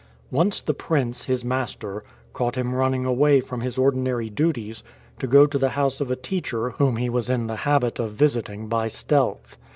Once the prince, his master, caught him running away from his ordinary duties to go to the house of a teacher whom he was in the habit of visiting by stealth.